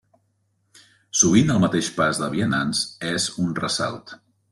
Sovint el mateix pas de vianants és un ressalt.